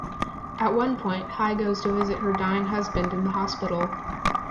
At one point, Hy goes to visit her dying husband in the hospital.